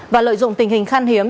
và lợi dụng tình hình khăn hiếm